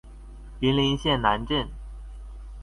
雲林縣南鎮